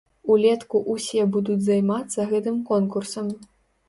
Улетку ўсе будуць займацца гэтым конкурсам.